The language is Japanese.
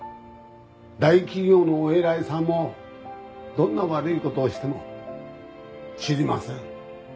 大企業のお偉いさんもどんな悪い事をしても「知りません」